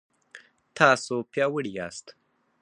تاسو پیاوړي یاست